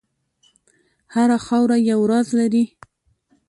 هره خاوره یو راز لري.